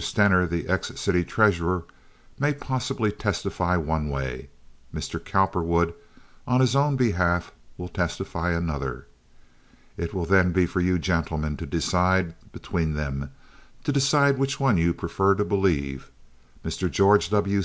Stener, the ex city treasurer, may possibly testify one way. Mr. Cowperwood, on his own behalf, will testify another. It will then be for you gentlemen to decide between them, to decide which one you prefer to believe—Mr. George W.